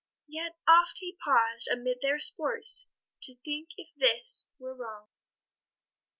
Yet oft he paus'd amid their sports, To think if this were wrong.